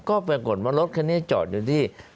ก็ปรากฏว่ารถคันนี้จอดอยู่ที่